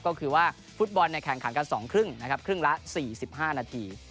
ก็คือว่าฟุตบอลในแข่งขันกันสองครึ่งครึ่งละ๔๕นาที